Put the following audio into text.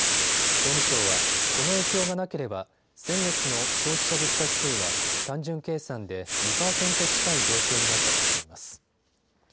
総務省は、この影響がなければ先月の消費者物価指数は単純計算で２％近い上昇になったとしています。